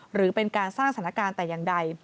หรือเป็นการสร้างสถานการณ์แต่อย่างใด